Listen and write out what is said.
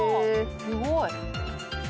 「すごい！」